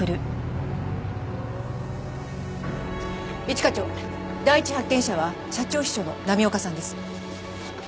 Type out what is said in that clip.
一課長第一発見者は社長秘書の波岡さんです。